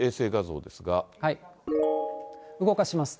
動かしますと。